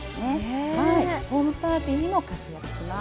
ホームパーティーにも活躍します。